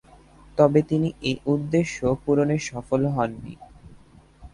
তবে, তিনি এ উদ্দেশ্য পূরণে সফল হননি।